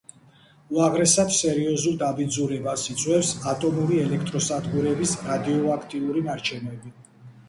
უაღრესად სერიოზულ დაბინძურებას იწვევს ატომური ელექტროსადგურების რადიოაქტიური ნარჩენები.